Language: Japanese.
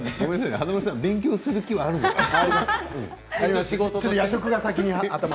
華丸さん勉強する気はあるのかな？